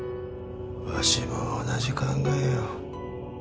わしも同じ考えよ。